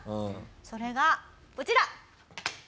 それがこちら！